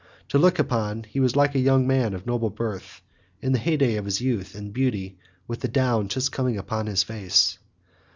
To look at, he was like a young man of noble birth in the hey day of his youth and beauty with the down just coming upon his face.